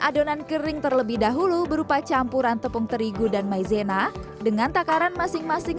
adonan kering terlebih dahulu berupa campuran tepung terigu dan maizena dengan takaran masing masing